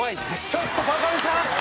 ちょっとバカリさん！